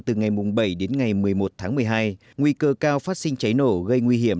từ ngày bảy đến ngày một mươi một tháng một mươi hai nguy cơ cao phát sinh cháy nổ gây nguy hiểm